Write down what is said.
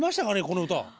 この歌。